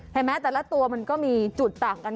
เห็นไหมแต่ละตวมันก็มีจุดต่างกัน